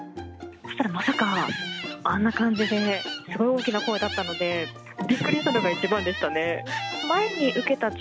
まさかあんな感じで、すごく大きな声だったので、びっくりしたのが一番でしたね。